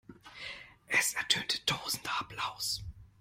Es ertönte tosender Applaus.